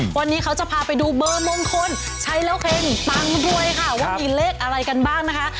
วันนี้เขาจะพาไปดูเบอร์มงคลใช้แล้วเค็งปังด้วยค่ะว่ามีเลขอะไรกันบ้างนะคะ